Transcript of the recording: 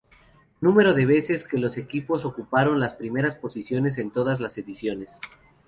Número de veces que los equipos ocuparon las primeras posiciones en todas las ediciones.